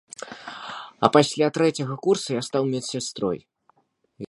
А пасля трэцяга курса я стаў медсястрой.